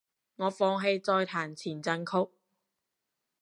我放棄再彈前進曲